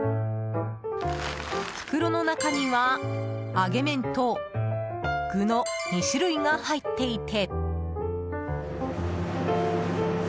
袋の中には、揚げ麺と具の２種類が入っていて。